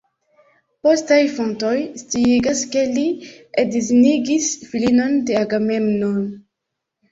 Postaj fontoj sciigas, ke li edzinigis filinon de Agamemno.